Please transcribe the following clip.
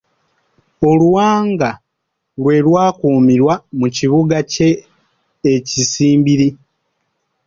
Oluwanga lwe lwakuumirwa mu kibuga kye e Kisimbiri.